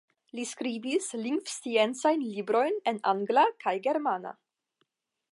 Li skribis lingvsciencajn librojn en angla kaj germana.